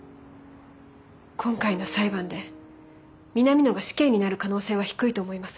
今回の裁判で南野が死刑になる可能性は低いと思います。